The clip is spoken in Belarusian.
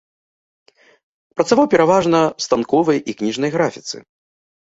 Працаваў пераважна ў станковай і кніжнай графіцы.